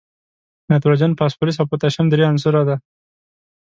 نایتروجن، فاسفورس او پوتاشیم درې عنصره دي.